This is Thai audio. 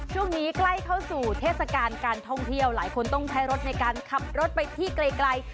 ช่วงนี้ใกล้เข้าสู่เทศกาลการท่องเที่ยวหลายคนต้องใช้รถในการขับรถไปที่ไกล